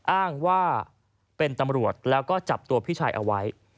อ้างว่าเป็นตำรวจแล้วก็จับตัวพี่ชายเอาไว้